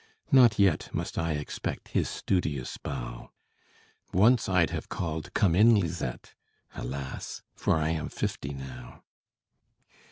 Not yet Must I expect his studious bow. Once I'd have called, "Come in, Lizzette" Alas, for I am fifty now!